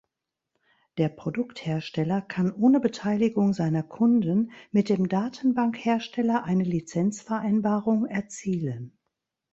Der Produkt-Hersteller kann ohne Beteiligung seiner Kunden mit dem Datenbank-Hersteller eine Lizenzvereinbarung erzielen.